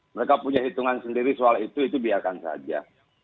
mereka punya hitungan sendiri soal itu itu biarkan saja